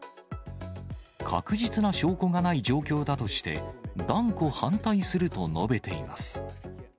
確実な証拠がない状況だとして、断固、反対すると述べています。